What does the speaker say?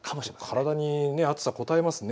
体に暑さ、こたえますね。